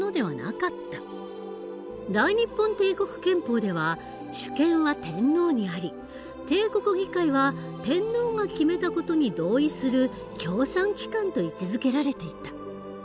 大日本帝国憲法では主権は天皇にあり帝国議会は天皇が決めた事に同意する協賛機関と位置づけられていた。